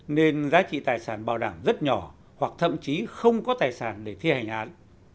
nên giá trị tài sản bảo đảm rất nhỏ hoặc thậm chí không có tài sản để thi hành án